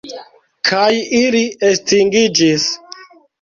Kaj ili estingiĝis.